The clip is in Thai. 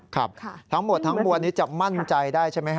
ครับทั้งหมดทั้งมวลนี้จะมั่นใจได้ใช่ไหมครับ